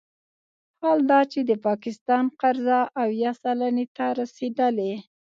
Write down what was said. حال دا چې د پاکستان قرضه اویا سلنې ته رسیدلې